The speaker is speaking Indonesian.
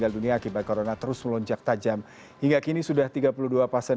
kalau kita lihat timelinenya tadi seperti mbak maria katakan